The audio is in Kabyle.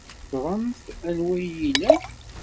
Teẓramt anwa ay iyi-ilan.